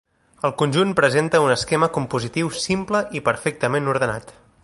El conjunt presenta un esquema compositiu simple i perfectament ordenat.